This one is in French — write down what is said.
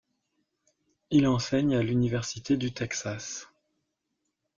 Il enseigne à l'université du Texas.